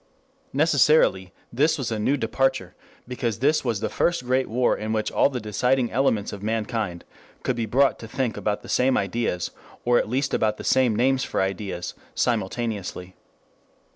Necessarily this was a new departure, because this was the first great war in which all the deciding elements of mankind could be brought to think about the same ideas, or at least about the same names for ideas, simultaneously.